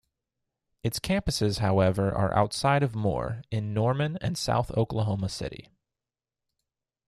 Its campuses however are outside of Moore in Norman and South Oklahoma City.